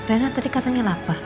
eh rena tadi katanya lapar